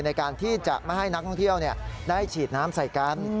ในการที่จะไม่ให้นักท่องเที่ยวได้ฉีดน้ำใส่กัน